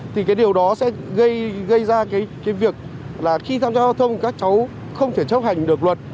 thì cái điều đó sẽ gây ra cái việc là khi tham gia giao thông các cháu không thể chấp hành được luật